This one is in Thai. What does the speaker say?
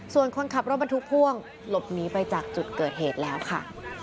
ส่วนคนขับรถบรรทุกพ่วงหลบหนีไปจากจุดเกิดเหตุแล้วค่ะ